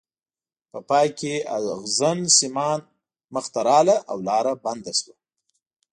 په پای کې ازغن سیمان مخې ته راغله او لاره بنده شوه.